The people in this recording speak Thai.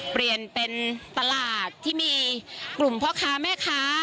เปลี่ยนเป็นตลาดที่มีกลุ่มพ่อค้าแม่ค้า